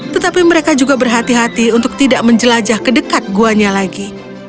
tetapi mereka juga berhati hati untuk tidak menjelajah ke dekat guanya lagi